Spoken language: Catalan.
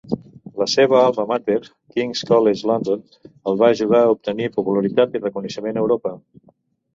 La seva alma mater, King's College London, el va ajudar a obtenir popularitat i reconeixement a Europa.